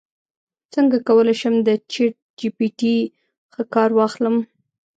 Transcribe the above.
څنګه کولی شم د چیټ جی پي ټي ښه کار واخلم